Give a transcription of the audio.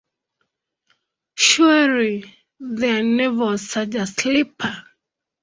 Surely there never was such a sleeper!